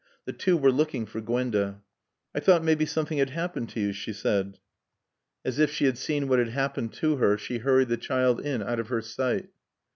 The two were looking for Gwenda. "I thought mebbe something had 'appened t' yo," she said. As if she had seen what had happened to her she hurried the child in out of her sight.